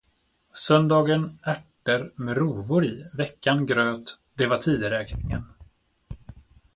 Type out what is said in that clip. Söndagen ärter med rovor i, veckan gröt, det var tidräkningen.